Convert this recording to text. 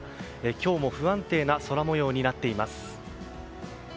今日も不安定な空模様になっています。